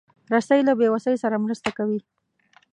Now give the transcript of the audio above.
رسۍ له بېوسۍ سره مرسته کوي.